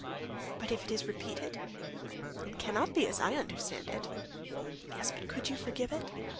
"But if it is repeated?" "It cannot be, as I understand it...." "Yes, but could you forgive it?"